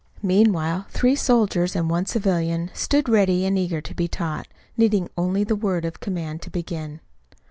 Meanwhile three soldiers and one civilian stood ready and eager to be taught, needing only the word of command to begin.